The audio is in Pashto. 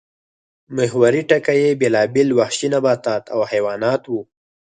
محوري ټکی یې بېلابېل وحشي نباتات او حیوانات وو